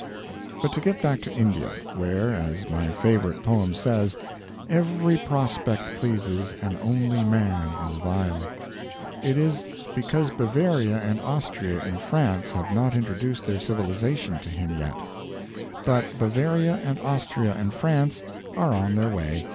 But to get back to India where, as my favorite poem says "Every prospect pleases, And only man is vile." It is because Bavaria and Austria and France have not introduced their civilization to him yet. But Bavaria and Austria and France are on their way.